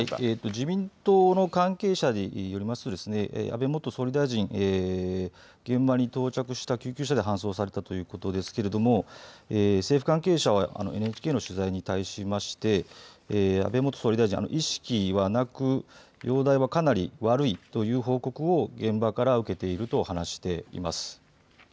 自民党の関係者によりますと安倍元総理大臣、現場に到着した救急車で搬送されたということですが政府関係者はＮＨＫの取材に対して安倍元総理大臣、意識はなく容体はかなり悪いという報告を現場から受けていると話しています。